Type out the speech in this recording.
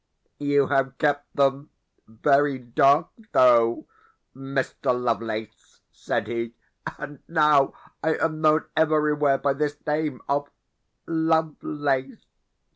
"You have kept them very dark though, Mr. Lovelace!" said he and now I am known everywhere by this name of "Lovelace."